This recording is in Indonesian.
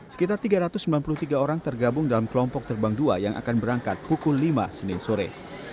sekitar tiga ratus sembilan puluh tiga orang tergabung dalam kelompok terbang dua yang akan berangkat pukul lima senin sore